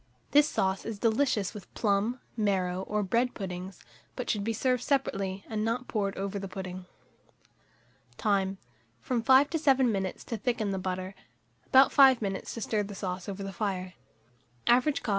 This sauce is delicious with plum, marrow, or bread puddings; but should be served separately, and not poured over the pudding. Time. From 5 to 7 minutes to thicken the butter; about 5 minutes to stir the sauce over the fire. Average cost, 1s.